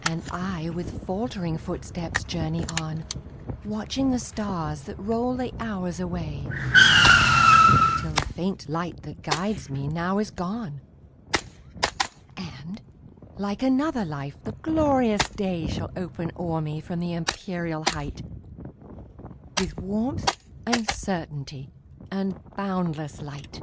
And I, with faltering footsteps, journey on, Watching the stars that roll the hours away, Till the faint light that guides me now is gone, And, like another life, the glorious day Shall open o'er me from the empyreal height, With warmth, and certainty, and boundless light.